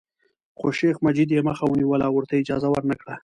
خو شیخ مجید یې مخه ونیوله او ورته یې اجازه ورنکړه.